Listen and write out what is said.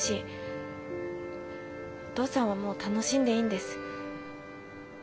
お父さんはもう楽しんでいいんです。